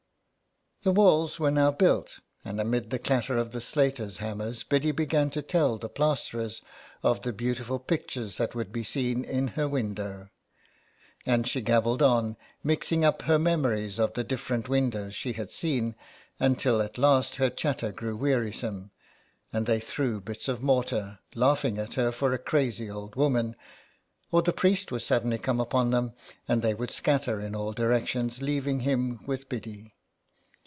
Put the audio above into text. " The walls were now built, and amid the clatter of the slaters' hammers Biddy began to tell the plasterers of the beautiful pictures that would be seen in her window; and she gabbled on, mixing up her memories of the different windows she had seen, until at last her chatter grew wearisome, and they threw bits of mortar, laughing at her for a crazy old woman, or the priest would suddenly come upon them, and they would scatter in all directions, leaving him with Biddy.